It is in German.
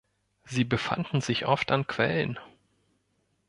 Sie befanden sich oft an Quellen.